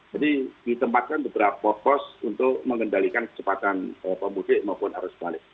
jadi ditempatkan beberapa pos untuk mengendalikan kecepatan pemudik maupun harus balik